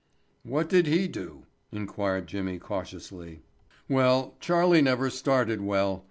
"What did he do?" inquired Jimmy cautiously. "Well, Charlie never started well.